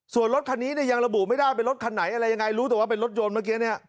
ส่วนรถคันนี้เนี่ยยังระบุไม่ได้เป็นรถคันไหนอะไรยังไงรู้แต่ว่าเป็นรถยนต์เมื่อกี้เนี่ย